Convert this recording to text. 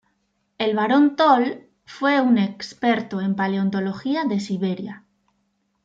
El barón Toll fue un experto en paleontología de Siberia.